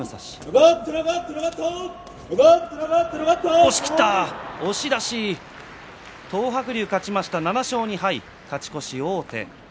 押しきった、押し出し東白龍、勝ちました７勝２敗、勝ち越し王手。